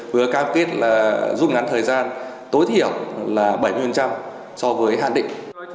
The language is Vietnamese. vừa cam kết là giúp ngắn thời gian tối thiểu là bảy mươi so với hạn định